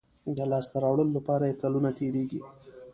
د لاسته راوړلو لپاره یې کلونه تېرېږي.